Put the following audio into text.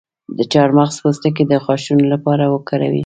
د چارمغز پوستکی د غاښونو لپاره وکاروئ